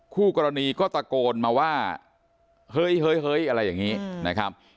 คู่กรณีก็ตะโกนมาว่าเฮ้ยอะไรอย่างนี้นะครับ